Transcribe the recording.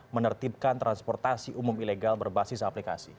menertibkan transportasi umum ilegal berbasis aplikasi